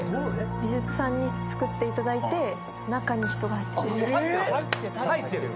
美術さんに作っていただいて中に人が入ってます。